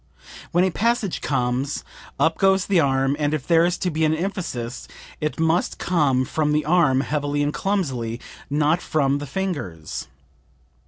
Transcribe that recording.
When a passage comes up goes the arm, and if there is to be an emphasis it must come from the arm, heavily and clumsily, not from the fingers.